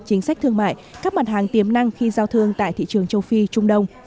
chính sách thương mại các mặt hàng tiềm năng khi giao thương tại thị trường châu phi trung đông